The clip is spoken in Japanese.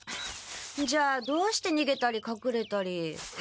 じゃあどうしてにげたりかくれたり。